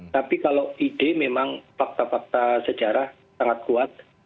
tapi kalau ide memang fakta fakta sejarah sangat kuat